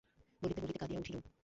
বলিতে বলিতে কাঁদিয়া উঠিল।